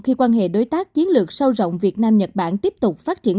khi quan hệ đối tác chiến lược sâu rộng việt nam nhật bản tiếp tục phát triển